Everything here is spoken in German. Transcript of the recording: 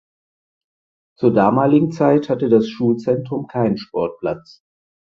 Zur damaligen Zeit hatte das Schulzentrum keinen Sportplatz.